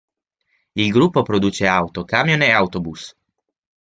Il gruppo produce auto, camion e autobus.